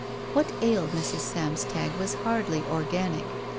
What ailed Mrs. Samstag was hardly organic.